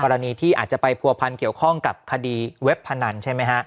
ที่อาจจะไปผัวพันเกี่ยวข้องกับคดีเว็บพนันใช่ไหมฮะ